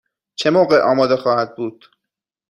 چه موقع آماده خواهد بود؟